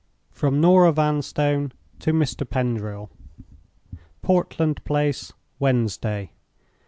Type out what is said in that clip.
From Norah Vanstone to Mr. Pendril. "Portland Place, Wednesday.